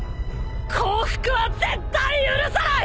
降伏は絶対許さない！